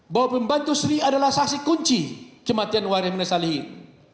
bahwa pembantu sri adalah saksi kunci kematian warian minasalihin